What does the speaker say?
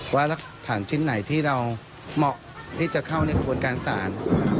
รักฐานชิ้นไหนที่เราเหมาะที่จะเข้าในกระบวนการศาล